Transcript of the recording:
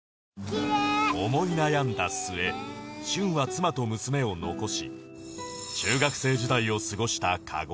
思い悩んだ末舜は妻と娘を残し中学生時代を過ごした鹿児島へ